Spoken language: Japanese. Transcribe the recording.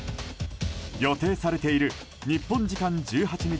予定されている日本時間１８日